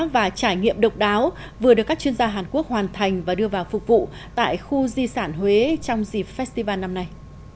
và trải nghiệm độc đáo vừa được các chuyên gia hàn quốc hoàn thành và đưa vào phục vụ tại khu di sản huế trong dịp festival năm nay